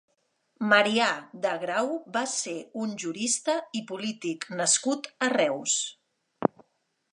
Marià de Grau va ser un jurista i polític nascut a Reus.